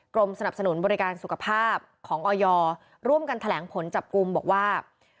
กรมสนับสนุนบริการสุขภาพของออยร่วมกันแถลงผลจับกลุ่มบอกว่า